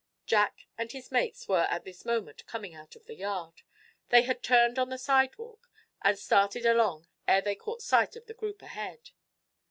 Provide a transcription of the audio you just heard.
Jack and his mates were at this moment coming out of the yard. They had turned on the sidewalk, and started along ere they caught sight of the group ahead.